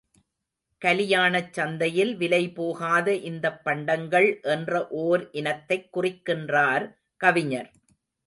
கலியாணச் சந்தையில் விலை போகாத இந்தப் பண்டங்கள் என்ற ஓர் இனத்தைக் குறிக்கின்றார் கவிஞர்.